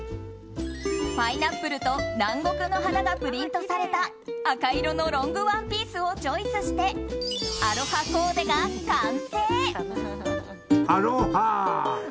パイナップルと南国の花がプリントされた赤色のロングワンピースをチョイスしてアロハコーデが完成。